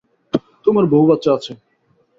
তোমার বউ-বাচ্চা আছে।